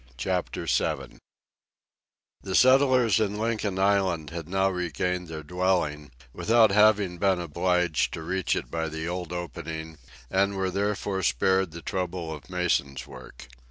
Chapter 7 The settlers in Lincoln Island had now regained their dwelling, without having been obliged to reach it by the old opening, and were therefore spared the trouble of mason's work.